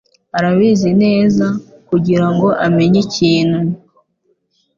Arabizi neza, kugirango amenye ikintu.